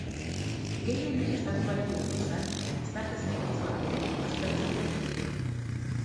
Gehienek estatuaren laguntzak eta gizarte-zerbitzuak ere baztertzen dituzte.